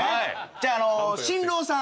じゃあ新郎さん。